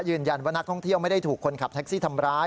ยืนยันว่านักท่องเที่ยวไม่ได้ถูกคนขับแท็กซี่ทำร้าย